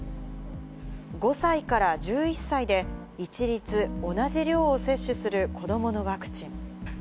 ５歳から１１歳で、一律同じ量を接種する子どものワクチン。